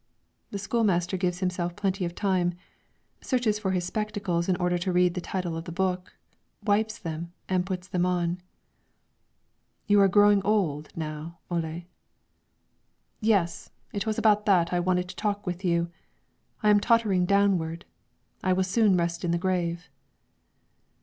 The school master gives himself plenty of time, searches for his spectacles in order to read the title of the book, wipes them and puts them on. "You are growing old, now, Ole." "Yes, it was about that I wanted to talk with you. I am tottering downward; I will soon rest in the grave."